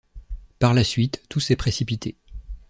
Par la suite, tout s’est précipité.